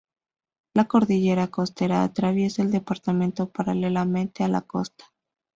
La Cordillera Costera atraviesa el departamento paralelamente a la costa.